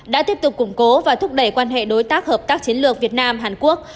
đã tiếp tục củng cố và thúc đẩy quan hệ đối tác hợp tác chiến lược việt nam hàn quốc